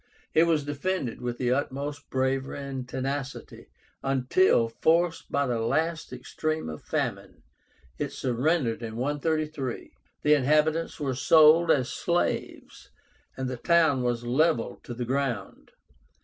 It was defended with the utmost bravery and tenacity, until, forced by the last extreme of famine, it surrendered (133). The inhabitants were sold as slaves, and the town was levelled to the ground.